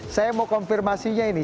saya mau konfirmasinya ini